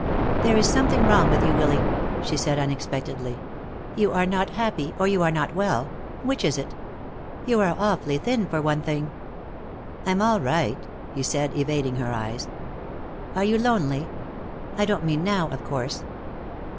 "There is something wrong with you, Willy," she said unexpectedly. "You are not happy, or you are not well. Which is it? You are awfully thin, for one thing." "I'm all right," he said, evading her eyes. "Are you lonely? I don't mean now, of course."